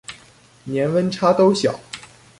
年溫差都小